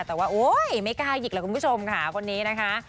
แต่ว่าโอ๊ยไม่กล้าหยิกแล้วคุณผู้ชมค่ะคนนี้นะคะ